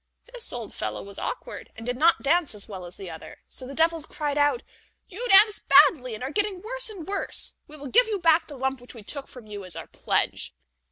This old fellow was awkward, and did not dance as well as the other, so the devils cried out: "You dance badly, and are getting worse and worse; we will give you back the lump which we took from you as a pledge."